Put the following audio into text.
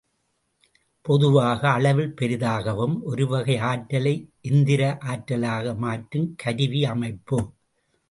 பொதுவாக, அளவில் பெரிதாகவும் ஒருவகை ஆற்றலை எந்திர ஆற்றலாக மாற்றும் கருவியமைப்பு.